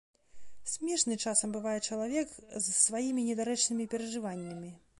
Смешны часам бывае чалавек з сваімі недарэчнымі перажываннямі.